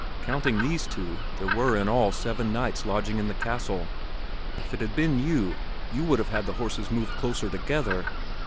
"Counting these two, there were, in all, seven knights lodging at the castle. If it had been you, you would have had the horses moved closer together.